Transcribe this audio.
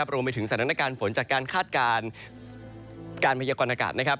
รวมไปถึงสถานการณ์ฝนจากการคาดการบริเวณอากาศ